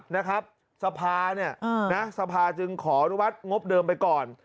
นะครับสภาสภาจึงขออนุวัติงงบเดิมไปก่อน